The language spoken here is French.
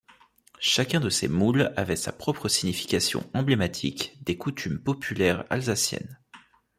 Chacun de ces moules avait sa propre signification emblématique des coutumes populaires alsaciennes.